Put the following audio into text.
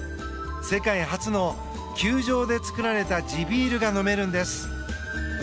世界初の、球場で造られた地ビールが飲めるんです。